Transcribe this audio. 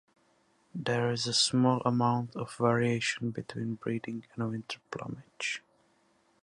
There is a small amount of variation between breeding and winter plumage.